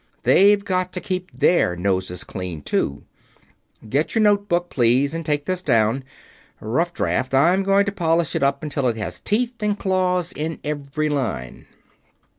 They've got to keep their noses clean, too. Get your notebook, please, and take this down. Rough draft I'm going to polish it up until it has teeth and claws in every line."